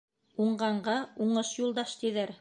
Уңғанға уңыш юлдаш, тиҙәр.